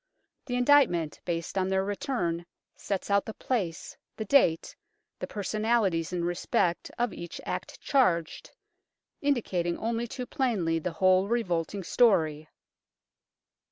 The indictment based on their return sets out the place, the date, the personalities in respect of each act charged, indicating only too plainly the whole revolting story.